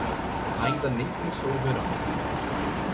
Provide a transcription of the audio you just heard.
Ainda nem começou o verão.